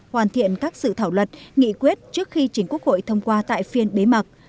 hoàn thiện các sự thảo luật nghị quyết trước khi chính quốc hội thông qua tại phiên bế mạc